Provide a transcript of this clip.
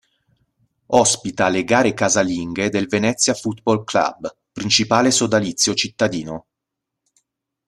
Ospita le gare casalinghe del Venezia Football Club, principale sodalizio cittadino.